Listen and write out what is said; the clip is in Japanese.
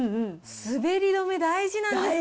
滑り止め、大事なんですね。